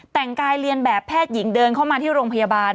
แต่งกายเรียนแบบแพทย์หญิงเดินเข้ามาที่โรงพยาบาล